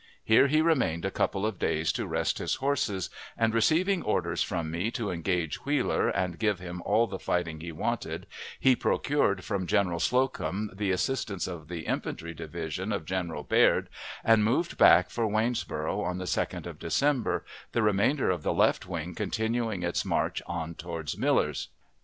Here he remained a couple of days to rest his horses, and, receiving orders from me to engage Wheeler and give him all the fighting he wanted, he procured from General Slocum the assistance of the infantry division of General Baird, and moved back for Waynesboro' on the 2d of December, the remainder of the left wing continuing its march on toward Millers.